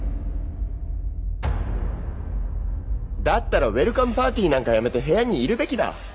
だったらウエルカムパーティーなんかやめて部屋にいるべきだ。